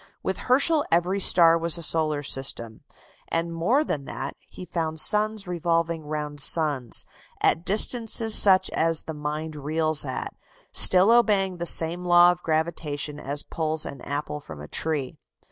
With Herschel every star was a solar system. And more than that: he found suns revolving round suns, at distances such as the mind reels at, still obeying the same law of gravitation as pulls an apple from a tree.